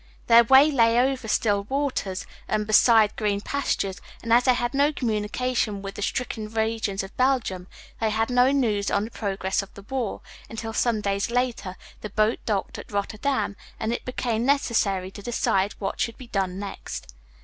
Their way lay over still waters and beside green pastures, and as they had no communication with the stricken regions of Belgium, they had no news of the progress of the war, until, some days later, the boat docked at Rotterdam, and it became necessary to decide what should be done next.